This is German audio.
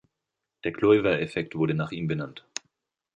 Der Kluyver-Effekt wurde nach ihm benannt.